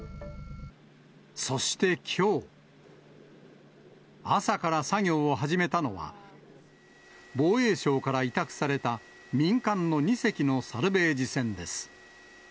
そしてきょう、朝から作業を始めたのは、防衛省から委託された民間の２隻のサルベージ船です。